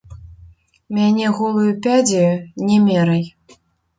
Мяне голаю пядзяю не мерай!